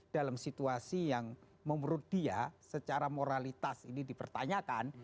dalam situasi yang menurut dia secara moralitas ini dipertanyakan